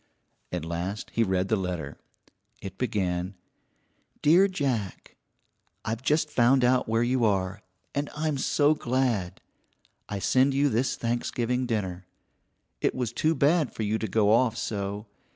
At last he read the letter. It began: DEAR JACK: I've just found out where you are, and I'm so glad. I send you this Thanksgiving dinner. It was too bad for you to go off so.